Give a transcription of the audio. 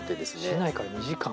市内から２時間。